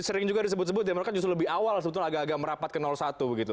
sering juga disebut sebut demokrat justru lebih awal sebetulnya agak agak merapat ke satu begitu